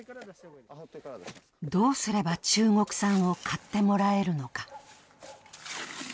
どうすれば中国産を買ってもらえるのか。